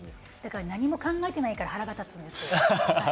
だから何も考えてないから腹が立つんです。